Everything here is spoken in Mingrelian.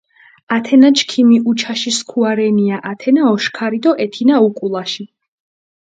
ათენა ჩქიმი უჩაში სქუა რენია, ათენა ოშქარი დო ეთინა უკულაში.